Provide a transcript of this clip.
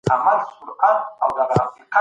په سلطنتي نظام کي سیاسي فعالیتونه ازاد وو.